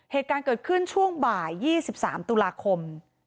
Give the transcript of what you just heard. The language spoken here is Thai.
เหตุการณ์เกิดขึ้นช่วงบ่าย๒๓ตุลาคม